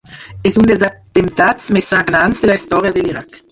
És un dels atemptats més sagnants de la història de l’Iraq.